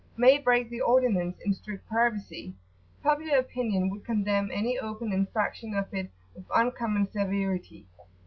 may break the ordinance in strict privacy, popular opinion would condemn any open infraction of it with uncommon severity.